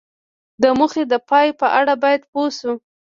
د موخې د پای په اړه باید پوه شو.